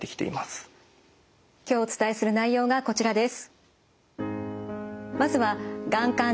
今日お伝えする内容がこちらです。